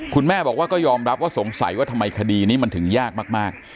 คุณแม่บอกว่าก็ยอมรับว่าสงสัยว่าทำไมคดีนี้มันถึงยากมาก